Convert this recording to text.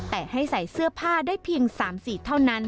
แต่ให้ใส่เสื้อผ้าได้เพียง๓สีเท่านั้น